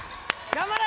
頑張れ！